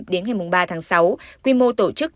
đến ngày ba tháng sáu quy mô tổ chức